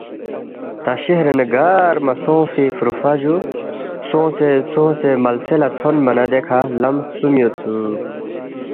تا شہرِنگ نہ گار مہ سونگفی فُروفرا جُو سونگسے سونگسے ملسےلہ تھونما نہ دیکھہ لم خسُوم یودسُوک